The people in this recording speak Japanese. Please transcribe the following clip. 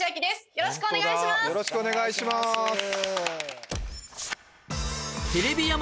よろしくお願いします